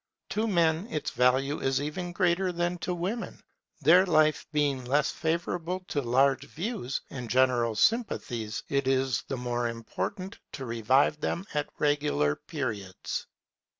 To men its value is even greater than to women; their life being less favourable to large views and general sympathies, it is the more important to revive them at regular periods.